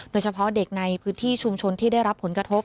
โดยเฉพาะเด็กในพื้นที่ชุมชนที่ได้รับผลกระทบ